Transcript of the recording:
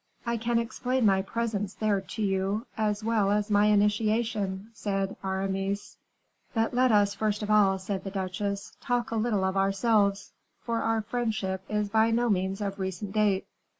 "I can explain my presence there to you, as well as my initiation," said Aramis. "But let us, first of all," said the duchess, "talk a little of ourselves, for our friendship is by no means of recent date."